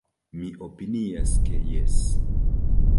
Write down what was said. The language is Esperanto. Mi opinias ke jes.